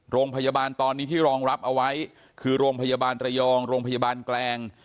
โรงพยาบาลตอนนี้ที่รองรับเอาไว้คือโรงพยาบาลระยองโรงพยาบาลแกลง